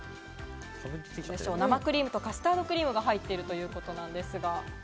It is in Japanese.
生クリームとカスタードクリームが入っているということです。